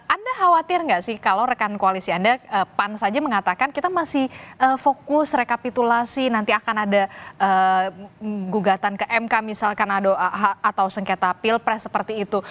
anda khawatir nggak sih kalau rekan koalisi anda pan saja mengatakan kita masih fokus rekapitulasi nanti akan ada gugatan ke mk misalkan atau sengketa pilpres seperti itu